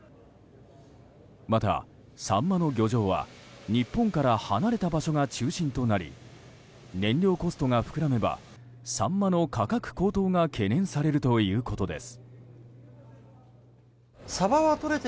また、サンマの漁場は日本から離れた場所が中心となり燃料コストが膨らめばサンマの価格高騰が懸念されるということです。